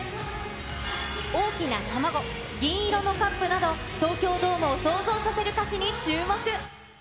大きな卵、銀色のカップなど、東京ドームを想像させる歌詞に注目。